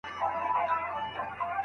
اوږدې لاري یې وهلي په ځنګلو کي